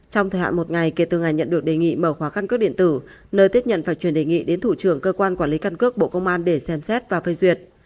trong thời hạn một ngày kể từ ngày nhận được đề nghị mở khóa căn cước điện tử nơi tiếp nhận và truyền đề nghị đến thủ trưởng cơ quan quản lý căn cước bộ công an để xem xét và phê duyệt